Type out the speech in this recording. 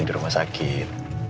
di rumah sakit